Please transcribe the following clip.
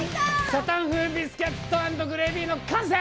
サタン風ビスケット＆グレイビーの完成！